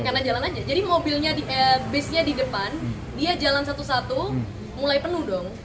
karena jalan aja jadi mobilnya eh basenya di depan dia jalan satu satu mulai penuh dong